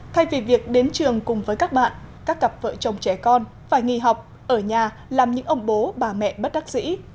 thay vì việc đến trường cùng với các bạn các cặp vợ chồng trẻ con phải nghỉ học ở nhà làm những ông bố bà mẹ bất đắc dĩ